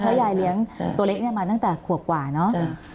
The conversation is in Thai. เพราะยายเลี้ยงตัวเล็กมาตั้งแต่ขวบกว่าเนอะ